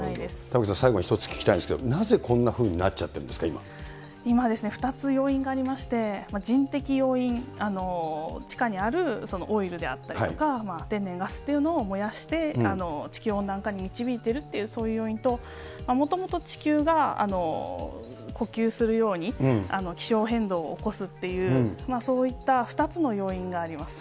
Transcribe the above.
玉城さん、最後に１つ聞きたいんですけれども、なぜこんなふうになっちゃっ今、２つ要因がありまして、人的要因、地下にあるオイルであったりとか、天然ガスっていうのを燃やして、地球温暖化に導いているという、そういう要因と、もともと地球が呼吸するように、気象変動を起こすっていう、そういった２つの要因があります。